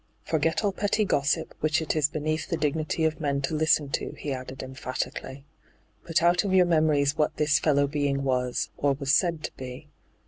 ' Forget all petty gossip, which it is beneath the dignity of men to listen to,' he added emphatically. * Put out of your memories what this fellow being was, or was said to be.